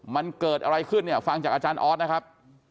มันเกิดอะไรขึ้นเนี่ยฟังจากอาจารย์ออสนะครับ